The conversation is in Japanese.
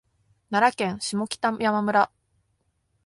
奈良県下北山村